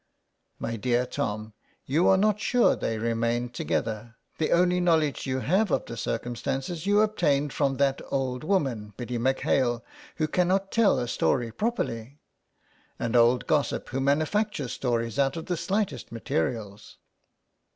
" My dear Tom, you are not sure they remained together; the only knowledge you have of the circum stances you obtained from that old woman, Biddy M'Hale, who cannot tell a story properly. An old gossip, who manufactures stories out of the slightest materials